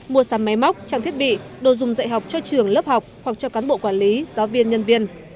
mua sắm máy móc trang thiết bị đồ dùng dạy học cho trường lớp học hoặc cho cán bộ quản lý giáo viên nhân viên